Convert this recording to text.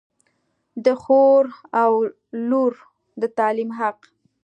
د خور و لور د تعلیم حق